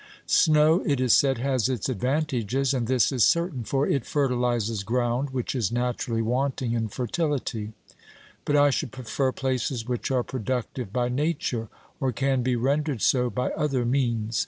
Snow it is said has its advantages, and this is certain, for it fertilises ground which is naturally wanting in fertility ; but I should prefer places which are productive by nature, or can be rendered so by other means.